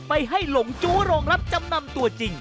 ไปให้หลงจู้โรงรับจำนำตัวจริง